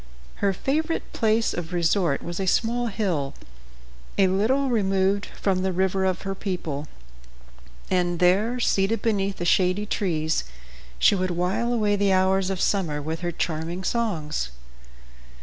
Her favorite place of resort was a small hill, a little removed from the river of her people, and there, seated beneath the shady trees, she would while away the hours of summer with her charming songs.